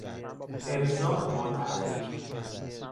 ارضا با تاخیر